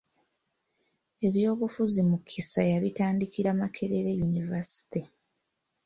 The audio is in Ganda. Ebyobufuzi Mukisa yabitandikira Makerere yunivaasite.